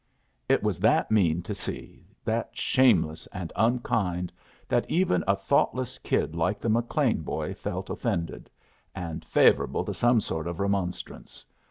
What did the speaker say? "It was that mean to see, that shameless and unkind, that even a thoughtless kid like the McLean boy felt offended, and favorable to some sort of remonstrance.